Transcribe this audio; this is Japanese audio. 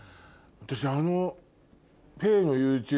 私あの。